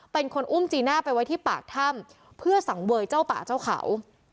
เป็นคนอุ้มจีน่าไปไว้ที่ปากถ้ำเพื่อสังเวยเจ้าป่าเจ้าเขา